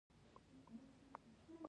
ښه خدمت د هر پیرودونکي حق دی.